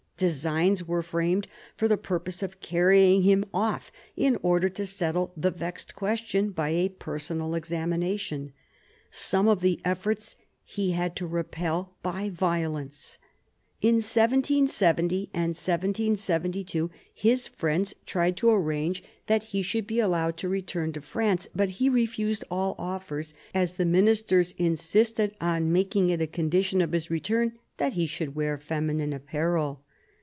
Designs were framed for the purpose of carrying him off in order to settle the vexed question by a personal examination. Some of the efforts he had to repel by violence. In 1770 and in 1772 his friends tried to arrange that he should be allowed to return to France; but he refused all offers as the Ministers insisted on making it a condition of his return that he should wear feminine apparel.